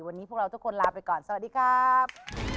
วันนี้พวกเราทุกคนลาไปก่อนสวัสดีครับ